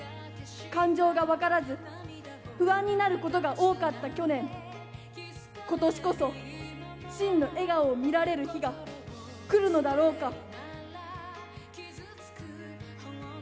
感情が分からず、不安になることが多かった去年、ことしこそ真の笑顔を見られる日が来るのだろうか。